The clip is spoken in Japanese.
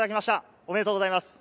おめでとうございます。